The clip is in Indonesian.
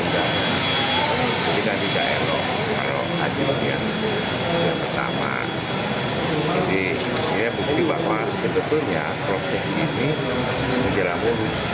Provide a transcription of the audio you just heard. jadi tadi jarod kalau tadi dia pertama jadi disini bukti bahwa tentunya proses ini menjelang urus